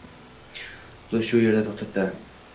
So'z shu yer da to'xtadi.